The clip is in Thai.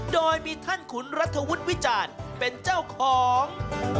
โดยมีท่านขุนรัฐวุฒิวิจารณ์เป็นเจ้าของ